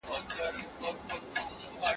ځینې خلک نږدې مړینې تجربې بیانوي.